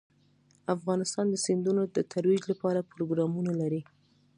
افغانستان د سیندونه د ترویج لپاره پروګرامونه لري.